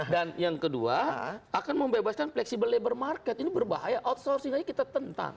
dan yang kedua akan membebaskan fleksibel labor market ini berbahaya outsourcing aja kita tentang